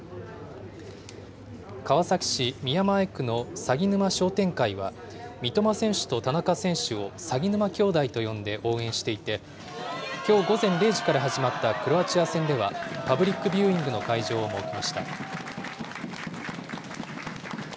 川崎市宮前区のさぎ沼商店会は、三笘選手と田中選手を鷺沼兄弟と呼んで応援していて、きょう午前０時から始まったクロアチア戦では、パブリックビューイングの会場を設けました。